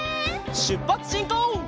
しゅっぱつしんこう！